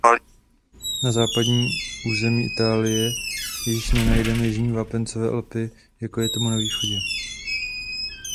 Na západě území Itálie již nenajdeme Jižní vápencové Alpy jako je tomu na východě.